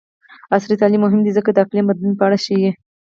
عصري تعلیم مهم دی ځکه چې د اقلیم بدلون په اړه ښيي.